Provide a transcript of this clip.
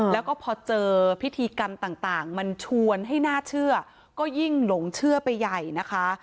แล้วก็พอเจอพิธีกรรมต่างมันชวนให้น่าเชื่อก็ยิ่งหลงเชื่อไปใหญ่นะคะ